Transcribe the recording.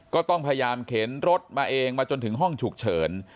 ก็ต้องพยายามเข็นรถมาเองมาจนถึงห้องฉุกเฉิน